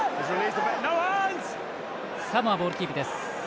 サモア、ボールキープです。